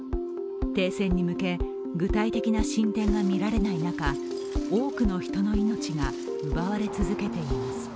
停戦に向け、具体的進展が見られない中多くの人の命が奪われ続けています。